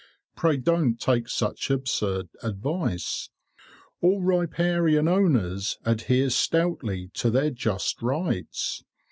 Pray don't take such absurd advice. All riparian owners adhere stoutly to their just rights.